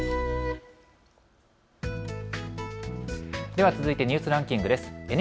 では続いてニュースランキングです。